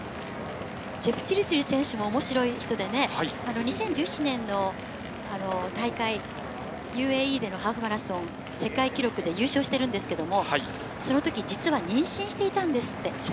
ジェプチルチル選手も面白い人でね、２０１７年の大会、ＵＡＥでのハーフマラソン世界記録で優勝してるんですけど、その時、実は妊娠していたんですって。